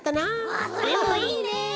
あそれもいいね。